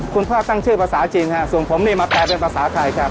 ตั้งชื่อภาษาจริงฮะส่วนผมนี่มาแปลเป็นภาษาไทยครับ